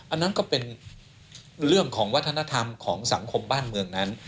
อันนั้นก็เป็นเรื่องของวัฒนธรรมของสังคมบ้านเมืองนั้น